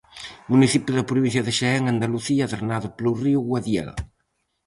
Municipio da provincia de Xaén, Andalucía, drenado polo río Guadiel.